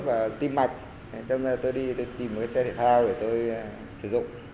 và tìm mặt tôi đi tìm một cái xe thể thao để tôi sử dụng